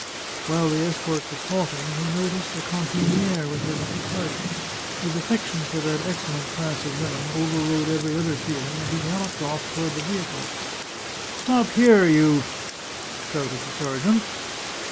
While the escort was halting he noticed a cantinihe with her little cart ; his affection for that excellent class of women overrode every other feeling, and he galloped of? toward the vehicle. " Stop here, you " shouted the sergeant.